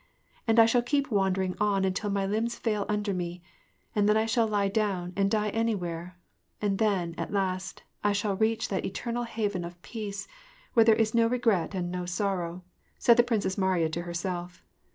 And I shall keep wandering on until my limbs fail under me, and then I shall lie down and die any where ; and then, at last, I shall reach that eternal haven of peace where there is no regret and no sorrow!" said the Princess Mariya to herself.